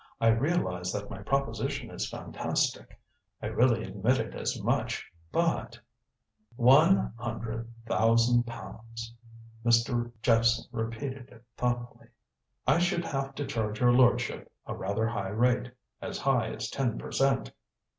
"I realize that my proposition is fantastic. I really admitted as much. But " "One hundred thousand pounds." Mr. Jephson repeated it thoughtfully. "I should have to charge your lordship a rather high rate. As high as ten per cent."